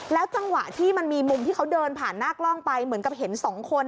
จังหวะที่มันมีมุมที่เขาเดินผ่านหน้ากล้องไปเหมือนกับเห็นสองคน